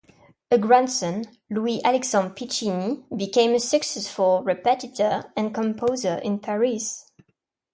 A grandson, Louis Alexandre Piccinni, became a successful repetiteur and composer in Paris.